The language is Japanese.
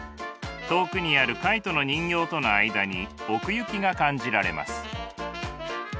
遠くにあるカイトの人形との間に奥行きが感じられます。